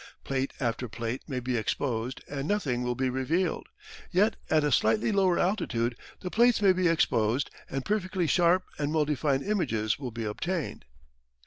Plate after plate may be exposed and nothing will be revealed. Yet at a slightly lower altitude the plates may be exposed and perfectly sharp and well defined images will be obtained.